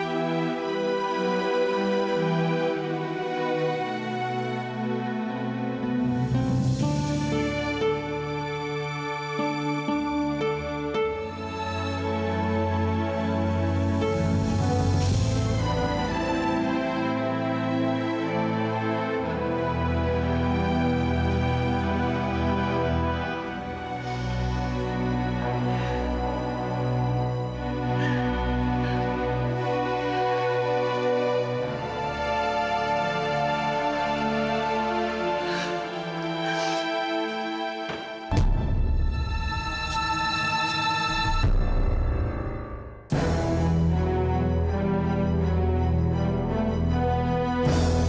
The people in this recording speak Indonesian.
selamat tinggal amira